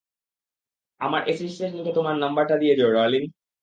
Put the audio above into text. আমার অ্যাসিস্ট্যান্টকে তোমার নাম্বারটা দিয়ে যেয়ো, ডার্লিং?